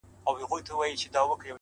بې حیا یم’ بې شرفه په وطن کي’